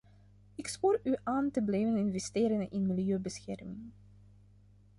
Ik spoor u aan te blijven investeren in milieubescherming.